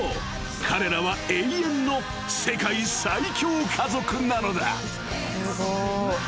彼らは永遠の世界最強家族なのだ］